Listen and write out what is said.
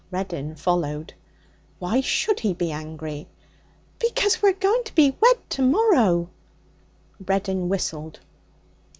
Reddin followed. 'Why should he be angry?' 'Because we're going to be wed to morrow' Reddin whistled.